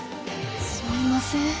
すみません